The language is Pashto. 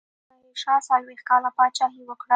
ظاهرشاه څلوېښت کاله پاچاهي وکړه.